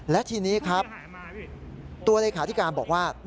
และทีนี้ครับตัวเลขาธิการบอกว่า